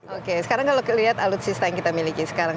oke sekarang kalau lihat alutsista yang kita miliki sekarang